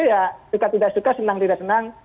ya suka tidak suka senang tidak senang